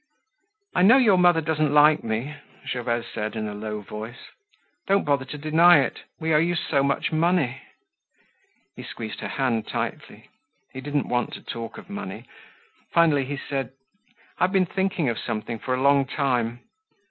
"I know your mother doesn't like me," Gervaise said in a low voice. "Don't bother to deny it. We owe you so much money." He squeezed her hand tightly. He didn't want to talk of money. Finally he said: "I've been thinking of something for a long time.